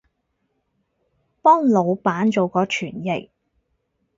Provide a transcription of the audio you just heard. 幫腦闆做過傳譯